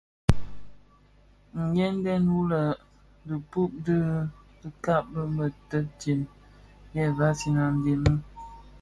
Ndhèňdèn wu lè dhipud bi dikag di tëtsem, ye vansina a dhemi,